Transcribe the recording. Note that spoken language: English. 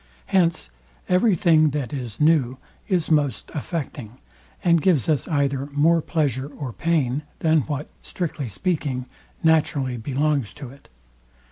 Hence every thing, that is new, is most affecting, and gives us either more pleasure or pain, than what, strictly speaking, naturally belongs to it.